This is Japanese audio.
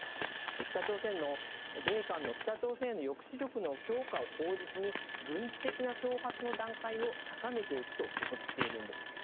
北朝鮮の、米韓の北朝鮮の抑止力の強化を口実に、軍事的な挑発の段階を高めていくと予測しているんです。